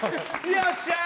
よっしゃー！